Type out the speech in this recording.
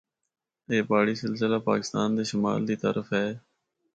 اے پہاڑی سلسلہ پاکستان دے شمال دی طرف ہے۔